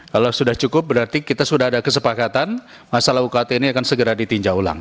kalau sudah cukup berarti kita sudah ada kesepakatan masalah ukt ini akan segera ditinjau ulang